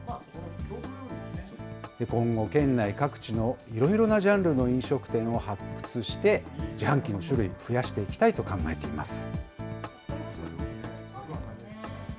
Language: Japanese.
今後、県内各地のいろいろなジャンルの飲食店を発掘して、自販機の種類、増やしていきたいと考えています。